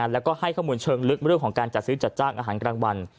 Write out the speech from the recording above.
แล้วก็ให้ข้อมูลเชิงลึกเรื่องของการจัดซื้อจัดจ้างอาหารกลางวัน